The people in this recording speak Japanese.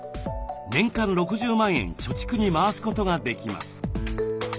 年間６０万円貯蓄に回すことができます。